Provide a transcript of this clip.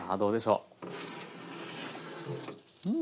うん。